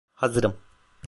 Hazırım.